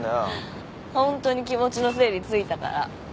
ホントに気持ちの整理ついたから。